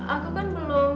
aku kan belum